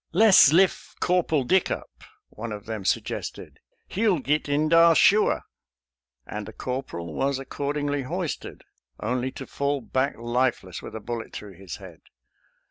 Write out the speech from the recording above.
" Less liff Cawpul Dick up," one of them suggested ;" he'll git in dah suah "; and the cor poral was accordingly hoisted, only to fall back lifeless with a bullet through his head.